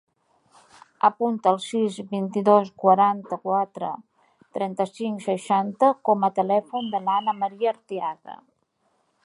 Apunta el sis, vint-i-dos, quaranta-quatre, trenta-cinc, seixanta com a telèfon de l'Ana maria Arteaga.